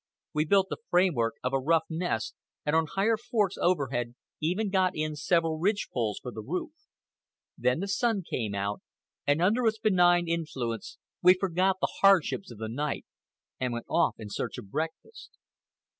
We built the framework of a rough nest, and on higher forks overhead even got in several ridge poles for the roof. Then the sun came out, and under its benign influence we forgot the hardships of the night and went off in search of breakfast.